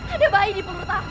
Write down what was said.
ada bayi di peluru tahap